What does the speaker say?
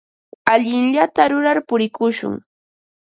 Allinllata rurar purikushun.